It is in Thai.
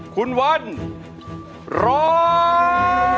คุณวันร้อง